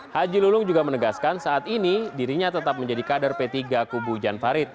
haji lulung juga menegaskan saat ini dirinya tetap menjadi kader p tiga kubu jan farid